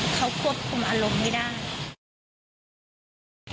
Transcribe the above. เขาควบคุมอารมณ์ไม่ได้